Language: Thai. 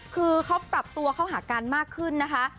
คือเขาปรับตัวเข้าหากันมากขึ้นนะคะ